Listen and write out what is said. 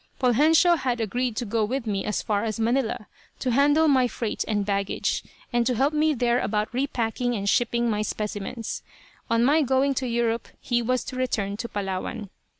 Poljensio had agreed to go with me as far as Manila, to handle my freight and baggage, and to help me there about repacking and shipping my specimens. On my going to Europe he was to return to Palawan.